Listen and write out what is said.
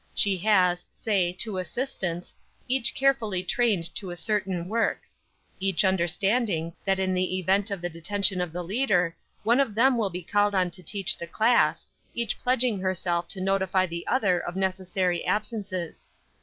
She has, say, two assistants, each carefully trained to a certain work; each understanding that in the event of the detention of the leader one of them will be called on to teach the class, each pledging herself to notify the other of necessary absences.